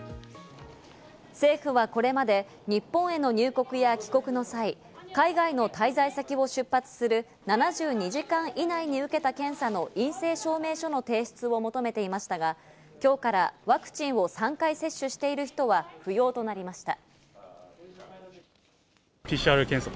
政府はこれまで、日本への入国や帰国の際、海外の滞在先を出発する７２時間以内に受けた検査の陰性証明書の提出を求めていましたが、今日からワクチンを３回接種している人が不要となりました。